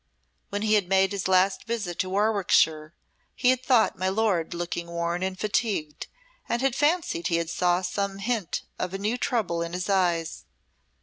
When he had made his last visit to Warwickshire he had thought my lord looking worn and fatigued, and had fancied he saw some hint of new trouble in his eyes.